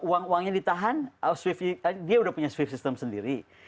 uang uangnya ditahan dia sudah punya swift system sendiri